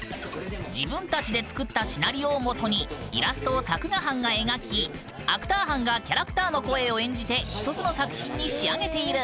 自分たちで作ったシナリオを基にイラストを作画班が描きアクター班がキャラクターの声を演じて一つの作品に仕上げている。